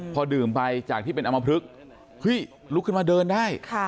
พอดื่มไปจากที่เป็นอมพลึกขึ้นมาเดินได้